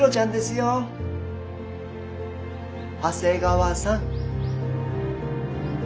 長谷川さん。